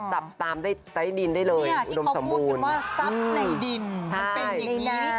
ตับตามใต้ดินได้เลยอุดมสมบูรณ์